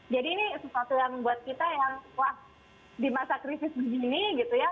jadi ini sesuatu yang buat kita yang wah di masa krisis begini gitu ya